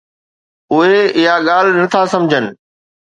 اُھي اھا ڳالھھ نٿا سمجھن.